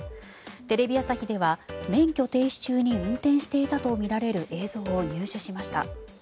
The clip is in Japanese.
テレビ朝日では免許停止中に運転していたとみられる映像を入手しました。